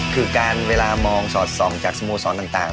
คือการมองสอนจากสมโมสอนต่าง